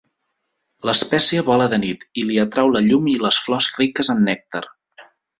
L'espècie vola de nit i li atrau la llum i les flors riques en nèctar.